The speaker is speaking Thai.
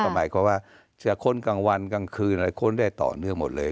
หมายความว่าจะค้นกลางวันกลางคืนอะไรค้นได้ต่อเนื่องหมดเลย